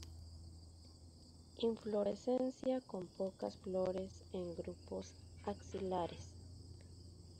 Inflorescencia con pocas flores en grupos axilares.